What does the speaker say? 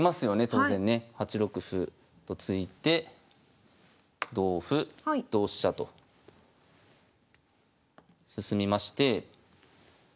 当然ね８六歩と突いて同歩同飛車と進みまして。